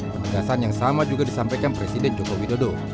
penegasan yang sama juga disampaikan presiden joko widodo